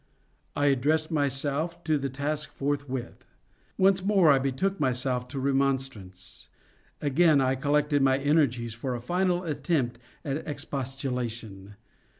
I addressed myself to the task forthwith. Once more I betook myself to remonstrance. Again I collected my energies for a final attempt at expostulation.